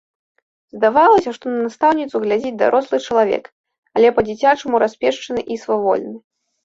Здавалася, што на настаўніцу глядзіць дарослы чалавек, але па-дзіцячаму распешчаны і свавольны.